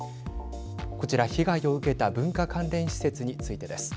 こちら被害を受けた文化関連施設についてです。